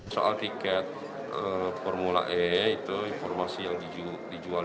soal tiket formula e itu informasi yang dijual